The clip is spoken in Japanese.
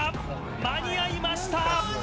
間に合いました。